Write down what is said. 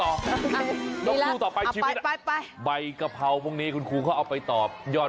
น้องครูต่อไปชีวิตใบกะเพราพวกนี้คุณครูเขาเอาไปต่อยอด